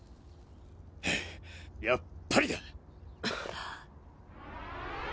はぁやっぱりだ。